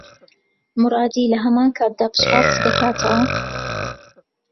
مورادی لە هەمان کاتدا پشتڕاستی دەکاتەوە